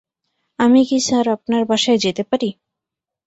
আমি কি স্যার আপনার বাসায় যেতে পারি?